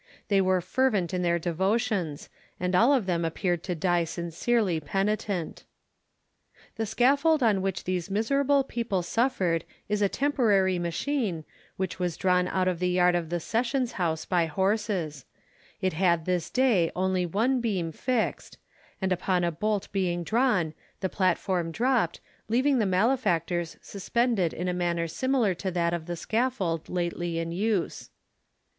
They were fervent in their devotions, and all of them appeared to die sincerely penitent. The scaffold on which these miserable people suffered is a temporary machine, which was drawn out of the yard of the sessions house by horses; it had this day only one beam fixed; and upon a bolt being drawn, the platform dropped, leaving the malefactors suspended in a manner similar to that of the scaffold lately in use.